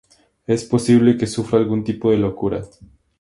Es posible que sufra algún tipo de locura.